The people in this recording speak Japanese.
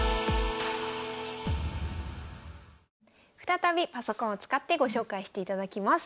再びパソコンを使ってご紹介していただきます。